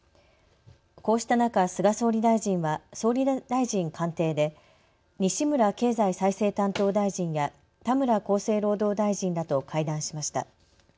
こうした中、菅総理大臣は総理大臣官邸で西村経済再生担当大臣や田村厚生労働大臣らと会談しました。